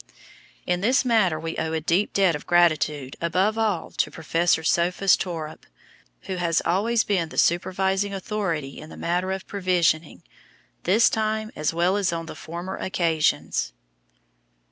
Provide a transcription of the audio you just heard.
In this matter we owe a deep debt of gratitude above all to Professor Sophus Torup, who has always been the supervising authority in the matter of provisioning, this time as well as on the former occasions.